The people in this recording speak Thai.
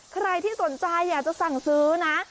ใครที่สนใจอยากจะสั่งซื้อนะ